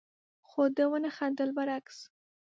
خو ده ونه خندل، برعکس،